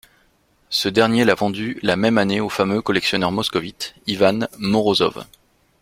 Ce dernier l'a vendu la même année au fameux collectionneur moscovite Ivan Morozov.